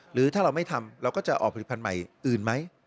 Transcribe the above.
หรือถ้าเราไม่ทำเราก็จะออกผลิตภัณฑ์ใหม่อื่นไหม